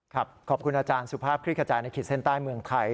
ขอบคุณอาจารย์สุภาพคลิกขจายในขีดเส้นใต้เมืองไทย